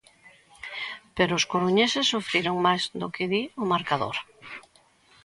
Pero os coruñeses sufriron máis do que di o marcador.